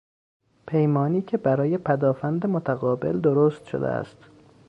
پیمانی که برای پدآفند متقابل درست شده است